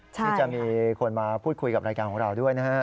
ที่จะมีคนมาพูดคุยกับรายการของเราด้วยนะฮะ